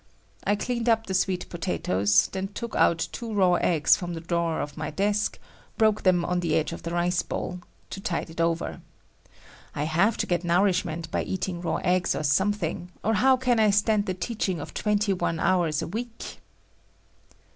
I cleaned up the sweet potatoes, then took out two raw eggs from the drawer of my desk, broke them on the edge of the rice bowl, to tide it over. I have to get nourishment by eating raw eggs or something, or how can I stand the teaching of twenty one hours a week?